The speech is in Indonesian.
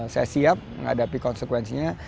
saya siap menghadapi konsekuensinya